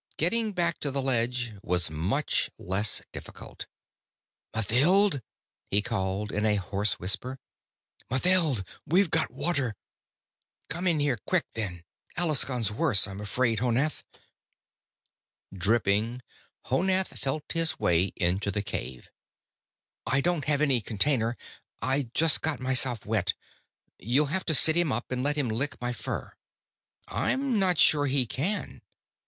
Getting back to the ledge was much less difficult. "Mathild?" he called in a hoarse whisper. "Mathild, we've got water." "Come in here quick then. Alaskon's worse. I'm afraid, Honath." Dripping, Honath felt his way into the cave. "I don't have any container. I just got myself wet you'll have to sit him up and let him lick my fur." "I'm not sure he can."